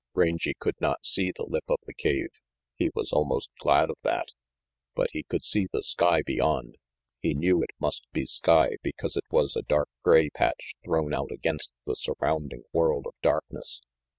Rangy could not see the lip of the cave. He was almost glad of that. But he could see the sky beyond. He knew it must be sky, because it was a dark gray patch thrown out against the surrounding world of darkness.